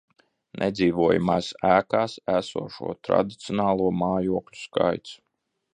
Nedzīvojamās ēkās esošo tradicionālo mājokļu skaits